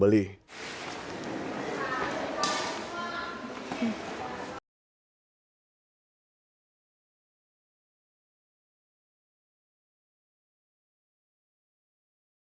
pesanan dari pembeli